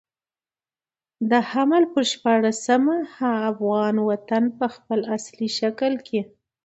د حمل پر شپاړلسمه افغان وطن په خپل اصلي شکل کې.